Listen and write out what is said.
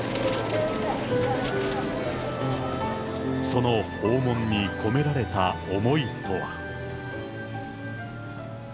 その訪問に込められた思いとは。